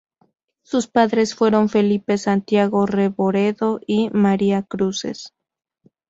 Sus padres fueron Felipe Santiago Revoredo y María Cruces.